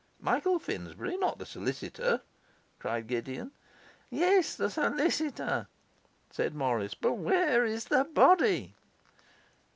'Michael Finsbury! Not the solicitor?' cried Gideon. 'Yes, the solicitor,' said Morris. 'But where is the body?